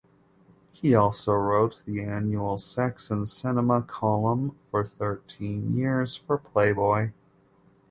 He also wrote the annual "Sex and Cinema" column for thirteen years for "Playboy".